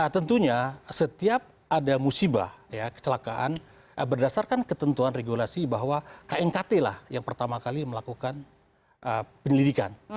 tentunya setiap ada musibah kecelakaan berdasarkan ketentuan regulasi bahwa knkt lah yang pertama kali melakukan penyelidikan